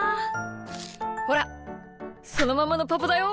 ほらそのままのパパだよ。